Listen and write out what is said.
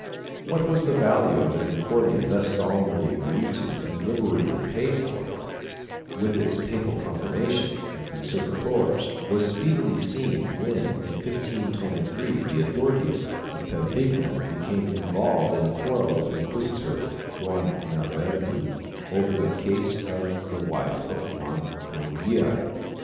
2 What was the value of the Concordia thus solemnly agreed to and liberally paid for, with its papal confirmation and conserva tors, was speedily seen when, in 1523, the authorities of Perpignan became involved in a quarrel with Inquisitor Juan Naverdu over the case of the wife of Juan Noguer.